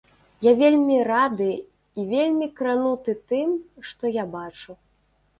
Я вельмі рады і вельмі крануты тым, што я бачу.